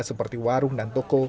seperti warung dan toko